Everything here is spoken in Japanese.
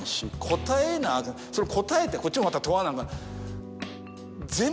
答えてこっちもまた問わなあかん。